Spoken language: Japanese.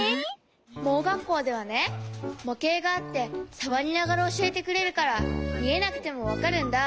盲学校ではねもけいがあってさわりながらおしえてくれるからみえなくてもわかるんだ。